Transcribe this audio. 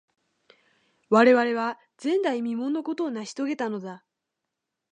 我々は、前代未聞のことを成し遂げたのだ。